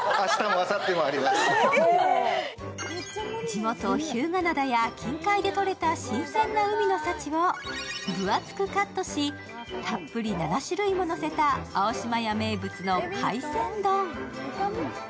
地元・日向灘や近海で取れた新鮮な海の幸を分厚くカットし、たっぷり７種類ものせた青島屋名物の海鮮丼。